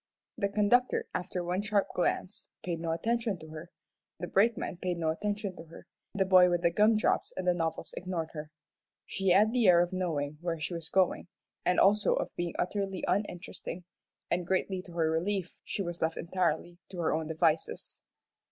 The conductor, after one sharp glance, paid no attention to her, the brakemen paid no attention to her, the boy with the gum drops and novels ignored her. She had the air of knowing where she was going, and also of being utterly uninteresting, and greatly to her relief she was left entirely to her own devices.